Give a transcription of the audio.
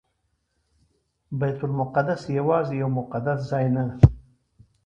بیت المقدس یوازې یو مقدس ځای نه.